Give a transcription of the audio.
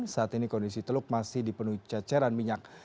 saat ini kondisi teluk masih dipenuhi ceceran minyak